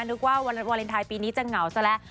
นึกว่าวันวาเลนไทยปีนี้จะเหงาซะแล้ว